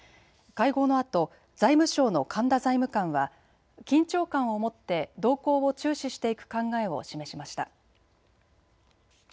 会合のあと、財務省の神田財務官は、緊張感を持って動向を注視していく考えを示しました。